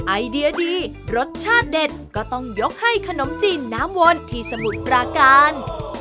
ไอเดียดีรสชาติเด็ดก็ต้องยกให้ขนมจีนน้ำวนที่สมุทรปราการ